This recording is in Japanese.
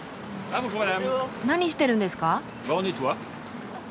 何してるんですか？